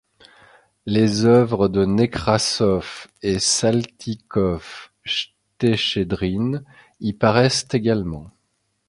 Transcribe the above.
Les œuvres de Nekrassov et Saltykov-Chtchedrine y paraissent également.